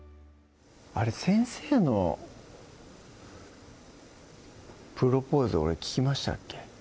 あれ先生のプロポーズ俺聞きましたっけ？